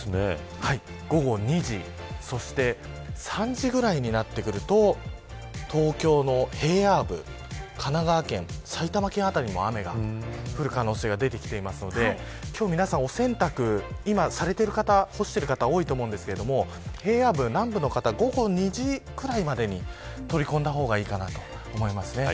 午後２時、そして３時ぐらいになると東京の平野部神奈川県、埼玉県辺りにも雨が降る可能性が出てきていますので今日、お洗濯をされている方干している方が多いと思いますが平野部南部の方午後２時ぐらいまでに取り込んだ方がいいかなと思います。